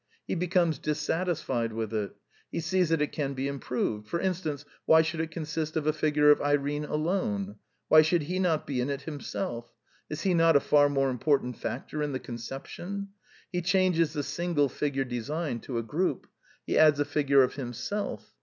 He be comes dissatisfied with it. He sees that it can be improved: for instance, why should it consist of a figure of Irene alone? Why should he not be in it himself? Is he not a far more important factor in the conception? He changes the single figure design to a group. He adds a figure of himself.